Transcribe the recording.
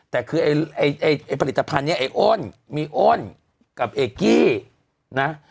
แต่คือไอ้ผลิตภัณฑ์นี้ไอ้อ้นมีอ้นกับเอกกี้นะ